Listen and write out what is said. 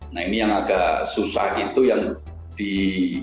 nah ini yang agak susah itu yang di